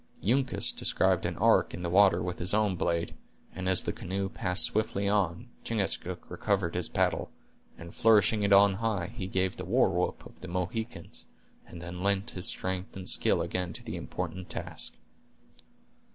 Uncas described an arc in the water with his own blade, and as the canoe passed swiftly on, Chingachgook recovered his paddle, and flourishing it on high, he gave the war whoop of the Mohicans, and then lent his strength and skill again to the important task.